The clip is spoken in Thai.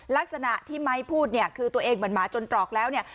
ลักษณะที่ไม้พูดเนี่ยคือตัวเองเหมือนหมาจนตรอกแล้วเนี่ย